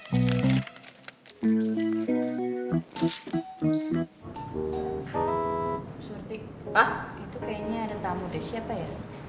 surti itu kayaknya ada tamu desnya pak yari